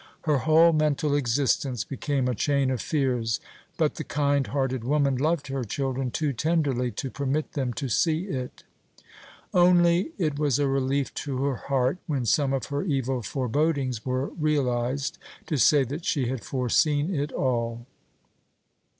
Her whole mental existence became a chain of fears, but the kind hearted woman loved her children too tenderly to permit them to see it. Only it was a relief to her heart when some of her evil forebodings were realized, to say that she had foreseen it all.